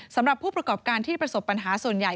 สำหรับผู้ประกอบการที่ประสบปัญหาส่วนใหญ่